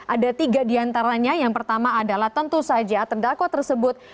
ada tiga diantaranya yang pertama adalah tentu saja terdakwa tersebut